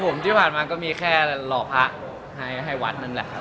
ไม่ครับผมที่ผ่านมาก็มีแค่หล่อพระให้วัดนั้นแหละครับ